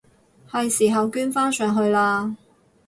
係時候捐返上去喇！